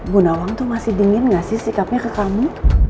bunawang tuh masih dingin gak sih sikapnya ke kamu